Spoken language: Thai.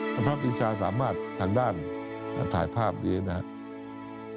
พระปีชาสามารถทางด้านถ่ายภาพนี้นะครับ